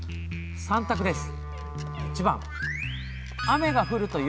３択です。